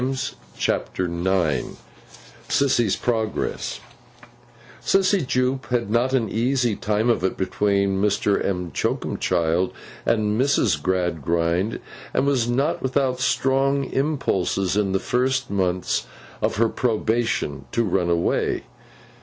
CHAPTER IX SISSY'S PROGRESS SISSY JUPE had not an easy time of it, between Mr. M'Choakumchild and Mrs. Gradgrind, and was not without strong impulses, in the first months of her probation, to run away.